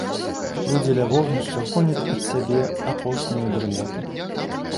Людзі ля вогнішча гоняць ад сябе апошнюю дрымоту.